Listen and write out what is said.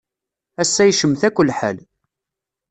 Ass-a yecmet akk lḥal.